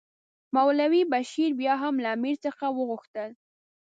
مولوي بشیر بیا هم له امیر څخه وغوښتل.